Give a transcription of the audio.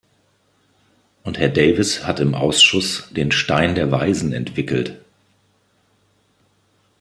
Und Herr Davies hat im Ausschuss den Stein der Weisen "entwickelt".